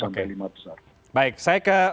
sampai lima besar baik saya ke